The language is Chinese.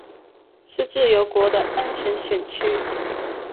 是自由党的安全选区。